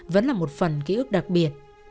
vẫn là một phần ký ức đặc biệt